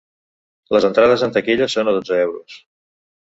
Les entrades en taquilla són a dotze euros.